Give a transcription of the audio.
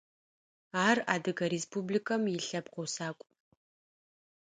Ар Адыгэ Республикым илъэпкъ усакӏу.